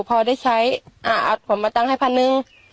พอได้ใช้อ่าผมมาตั้งให้พันหนึ่ง